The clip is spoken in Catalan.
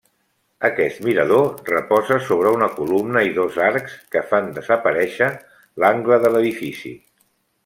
Aquest mirador reposa sobre una columna i dos arcs, que fan desaparèixer l'angle de l'edifici.